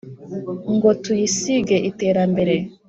Ngo tuyisige iterambere